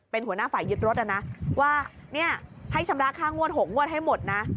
เป็นหัวหน้าฝ่ายยึดรถนะว่าให้ชำระค่างวด๖งวดให้หมดนะ